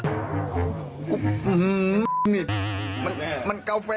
อือหือหือนี่มันกาแฟ